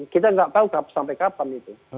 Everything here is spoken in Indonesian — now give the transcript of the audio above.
kita nggak tahu sampai kapan itu